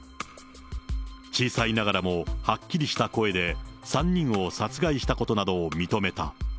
小さいながらも、はっきりした声で、３人を殺害したことなどを認めた。